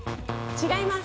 違います。